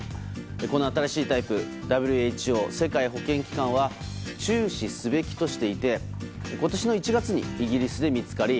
この新しいタイプＷＨＯ・世界保健機関は注視すべきとしていて今年の１月にイギリスで見つかり